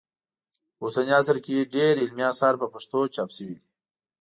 په اوسني عصر کې ډېر علمي اثار په پښتو چاپ سوي دي